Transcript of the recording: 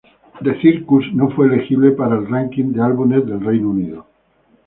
The Circus no fue elegible para el ranking de álbumes del Reino Unido.